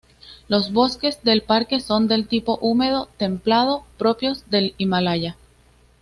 Los bosques del parque son del tipo húmedo templado, propios del Himalaya.